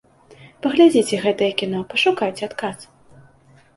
Паглядзіце гэтае кіно, пашукайце адказ.